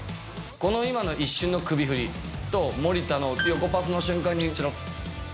この今の一瞬の首振りと、守田の横パスの瞬間に、ちらっ。